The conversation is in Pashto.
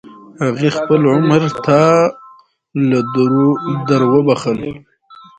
هغې خپل عمر تا له دروبخل.